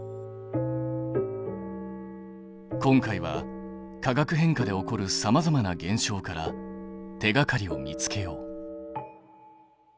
今回は化学変化で起こるさまざまな現象から手がかりを見つけよう。